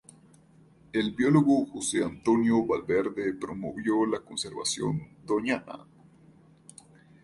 El biólogo Jose Antonio Valverde promovió la conservación Doñana.